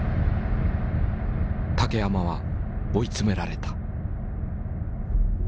竹山は追い詰められた。